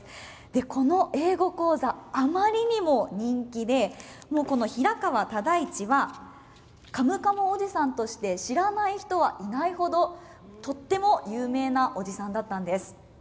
この英語講座あまりにも人気でもう、平川唯一はカムカムおじさんとして知らない人はいないほどとっても有名なおじさんだったんです。